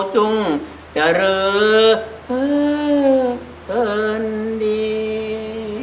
จงจะเหลือเวิร์รดี